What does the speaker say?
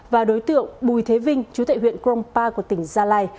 và đối tượng bùi thế vinh chú tại huyện krongpa của tỉnh gia lai